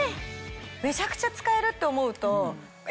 めちゃくちゃ使えるって思うと。